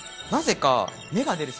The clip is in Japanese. なぜか。